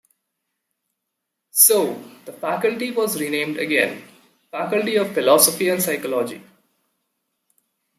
So, the faculty was renamed again-Faculty of Philosophy and Psychology.